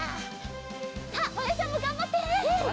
さあまやちゃんもがんばって！